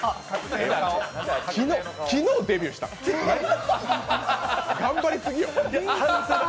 昨日デビューしたん？